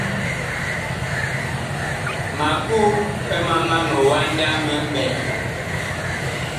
Ma kuh ɛ mama miwanda mi mɓɛɛŋ.